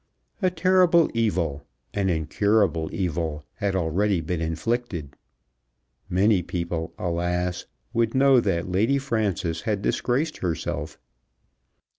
A terrible evil, an incurable evil, had already been inflicted. Many people, alas, would know that Lady Frances had disgraced herself.